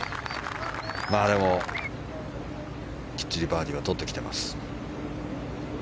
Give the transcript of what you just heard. でも、きっちりバーディーはとってきています。